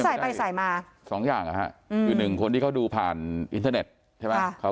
สายไปสายมาสองอย่างคือหนึ่งคนที่เขาดูผ่านอินเทอร์เน็ตใช่ไหม